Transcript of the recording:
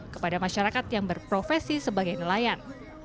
kepada masyarakat yang berprofesi sebagai nelayan